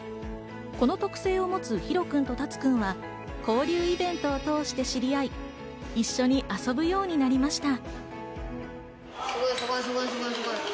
この特性を持つヒロくんとタツくんは交流イベント通して知り合い、一緒に遊ぶようになりました。